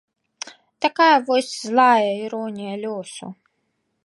Такая вось злая іронія лёсу.